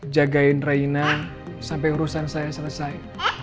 jagain raina sampai urusan saya selesai